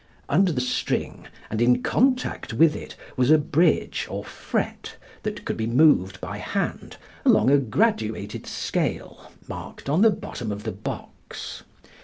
Under the string and in contact with it was a bridge or fret that could be moved by hand along a graduated scale marked on the bottom of the box.